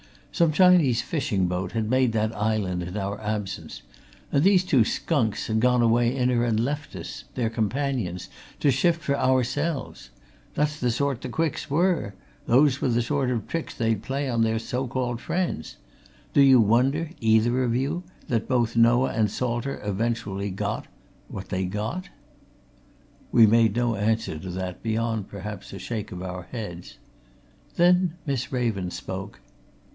Some Chinese fishing boat had made that island in our absence, and these two skunks had gone away in her and left us, their companions, to shift for ourselves. That's the sort the Quicks were! those were the sort of tricks they'd play off on so called friends! Do you wonder, either of you, that both Noah and Salter eventually got what they got?" We made no answer to that beyond, perhaps, a shake of our heads. Then Miss Raven spoke.